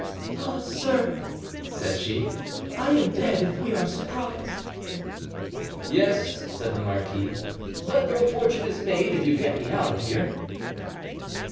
"Ah, sir," said she, "I am dead if we are surprised." "Yes," said the marquis, "but your fortune is made if you get me out of here."